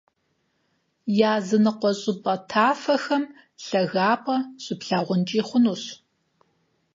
Языныкъуэ щӀыпӀэ тафэхэм лъагапӀэ щыплъагъункӀи хъунущ.